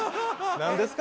「何ですか？